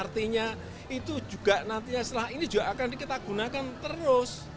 artinya itu juga nantinya setelah ini juga akan kita gunakan terus